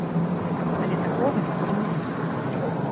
Але такога ніколі не будзе.